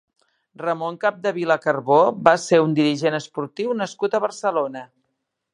Ramon Capdevila Carbó va ser un dirigent esportiu nascut a Barcelona.